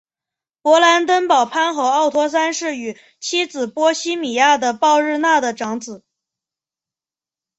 勃兰登堡藩侯奥托三世与妻子波希米亚的鲍日娜的长子。